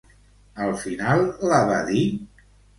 Al final la va dir?